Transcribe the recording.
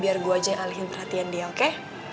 biar gue aja alihin perhatian dia oke